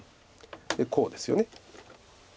でこうですよね。